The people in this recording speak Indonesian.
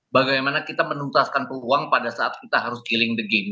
bagaimana kita menuntaskan peluang pada saat kita harus killing the game